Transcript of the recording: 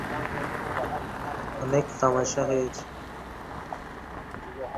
অনেক তামাশা হয়েছে।